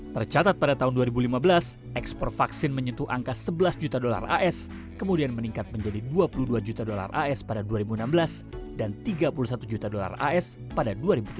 tercatat pada tahun dua ribu lima belas ekspor vaksin menyentuh angka sebelas juta dolar as kemudian meningkat menjadi dua puluh dua juta dolar as pada dua ribu enam belas dan tiga puluh satu juta dolar as pada dua ribu tujuh belas